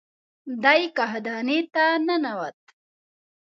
دی کاهدانې ته ننوت.